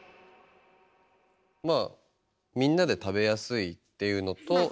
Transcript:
まあみんなで食べやすいっていうのと。